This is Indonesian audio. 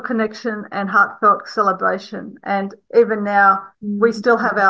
koneksi kultur dan pengembangan hati hati